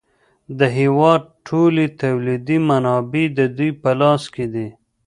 د هېواد ټولې تولیدي منابع د دوی په لاس کې دي